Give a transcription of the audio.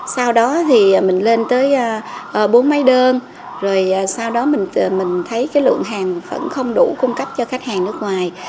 sau đó thì mình lên tới bốn máy đơn rồi sau đó mình thấy cái lượng hàng vẫn không đủ cung cấp cho khách hàng nước ngoài